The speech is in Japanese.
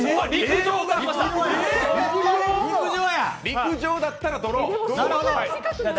「陸上」だったらドロー。